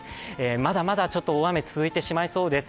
まだまだ大雨続いてしまいそうです。